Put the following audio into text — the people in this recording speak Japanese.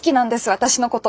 私のこと。